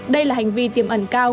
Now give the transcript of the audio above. đây là hành vi tiềm ẩn cao